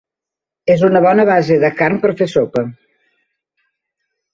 És una bona base de carn per fer sopa.